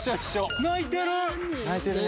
泣いてるね。